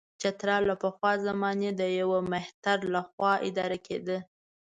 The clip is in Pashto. چترال له پخوا زمانې د یوه مهتر له خوا اداره کېده.